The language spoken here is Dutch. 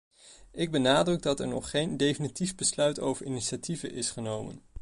Ik benadruk dat er nog geen definitief besluit over initiatieven is genomen.